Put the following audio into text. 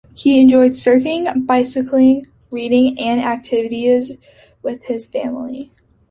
He enjoyed surfing, bicycling, reading and activities with his family.